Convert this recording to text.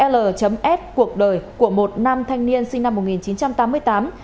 l s cuộc đời của một nam thanh niên sinh năm một nghìn chín trăm tám mươi tám